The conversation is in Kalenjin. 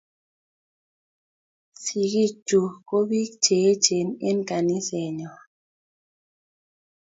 Sigig chuk kobiik che echen eng kaniset nyojn